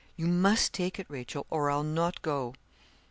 You must take it, Rachel, or I'll not go.'